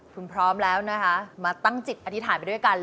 คุณพร้อมแล้วนะคะมาตั้งจิตอธิษฐานไปด้วยกัน